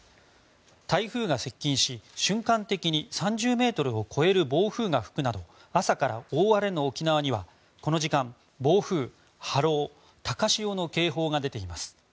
３０メートルを超える暴風が吹くなど朝から大荒れの沖縄にはこの時間暴風・波浪・高潮の警報が出ています。